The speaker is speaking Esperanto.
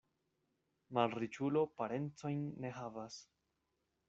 Malriĉulo parencojn ne havas.